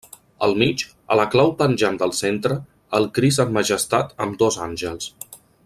Al mig, a la clau penjant del centre, el Crist en majestat amb dos àngels.